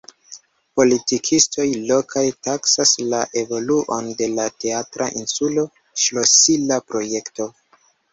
Politikistoj lokaj taksas la evoluon de la Teatra insulo ŝlosila projekto.